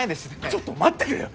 ちょっと待ってくれよ！